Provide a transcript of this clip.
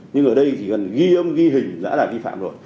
nhưng ở đây chỉ cần ghi âm ghi hình đã là vi phạm rồi